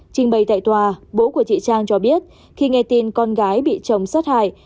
trình bày tại tòa bố của chị trang cho biết khi nghe tin con gái bị chồng sát hại